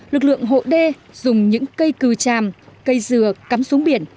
lực lượng hộ đê dùng những cây cừu tràm cây dừa cắm xuống biển